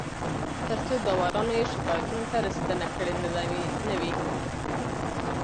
تر څو داورانو یې شکایتونو ته رسېدنه کړې نه وي